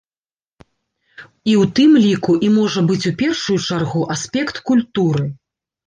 І ў тым ліку, і, можа быць, у першую чаргу, аспект культуры.